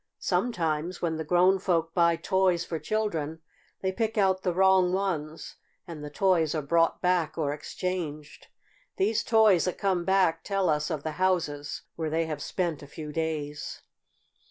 "Sometimes, when the grown folk buy toys for children they pick out the wrong ones, and the toys are brought back or exchanged. These toys that come back tell us of the houses where they have spent a few days.